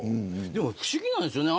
でも、不思議なんですよね。